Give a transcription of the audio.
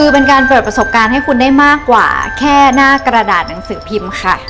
คือเป็นการเปิดประสบการณ์ให้คุณได้มากกว่าแค่หน้ากระดาษหนังสือพิมพ์ค่ะ